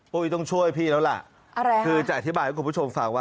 พี่ต้องช่วยพี่แล้วละ